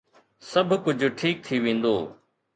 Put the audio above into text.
سڀ ڪجھ ٺيڪ ٿي ويندو